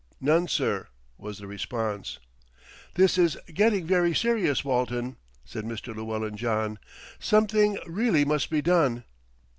"None, sir," was the response. "This is getting very serious, Walton," said Mr. Llewellyn John, "something really must be done."